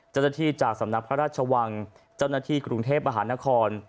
เจ้าหน้าที่จากสำนักพระราชวังเจ้าหน้าที่กรุงเทพมหานคร